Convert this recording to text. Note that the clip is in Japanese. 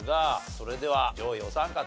それでは上位お三方オープン！